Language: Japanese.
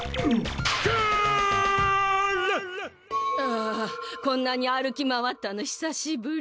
あこんなに歩き回ったのひさしぶり。